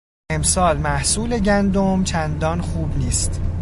امسال محصول گندم چندان خوب نیست.